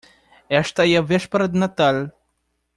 Esta é a véspera de Natal.